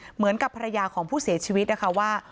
เหมือนกับภรรยาของผู้เสียชีวิตนะคะว่า